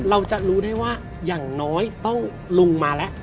เราจะรู้ได้ว่าอย่างน้อยต้องลงมาแล้ว